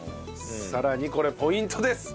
さらにこれポイントです。